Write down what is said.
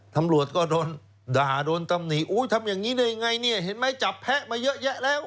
ตำรวจก็โดนด่าโดนตำหนีอุ้ยทำอย่างนี้ได้ยังไงเนี่ยเห็นไหมจับแพะมาเยอะแยะแล้ว